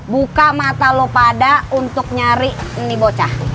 buka mata lo pada untuk nyari ini bocah